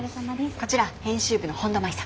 こちら編集部の本田麻衣さん。